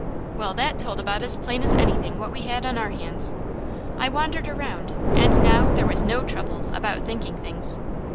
Well, THAT told about as plain as anything what we had on our hands. I wandered around and NOW there was no trouble about thinking things.